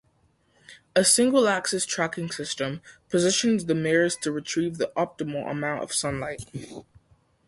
A single-axis tracking system positions the mirrors to retrieve the optimal amount of sunlight.